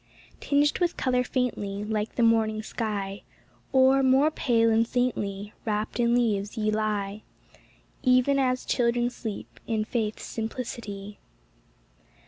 Tinged with colour faintly, Like the morning sky. Or, more pale and saintly, Wrapped in leaves ye lie— Even as children sleep in faith's simplicity.